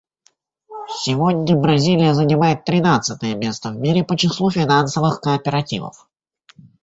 Сегодня Бразилия занимает тринадцатое место в мире по числу финансовых кооперативов.